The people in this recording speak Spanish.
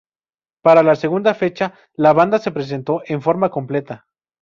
Para la segunda fecha, la banda se presentó en forma completa.